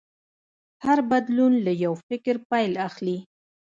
هر بدلون له یو فکر پیل اخلي.